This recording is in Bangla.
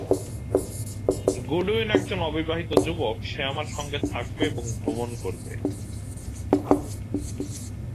গুডউইন একজন অবিবাহিত যুবক, সে আমার সঙ্গে থাকবে এবং ভ্রমণ করবে।